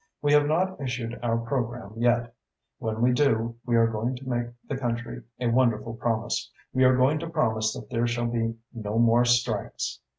We have not issued our programme yet. When we do, we are going to make the country a wonderful promise. We are going to promise that there shall be no more strikes.